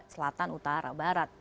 selatan utara barat